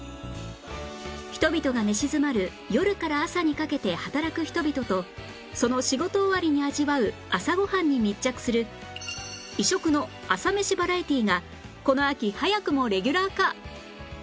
人々が寝静まる夜から朝にかけて働く人々とその仕事終わりに味わう朝ご飯に密着する異色の朝メシバラエティーがこの秋早くもレギュラー化！